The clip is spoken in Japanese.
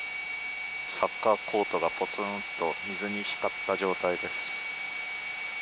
サッカーコートがぽつんと水に浸った状態です。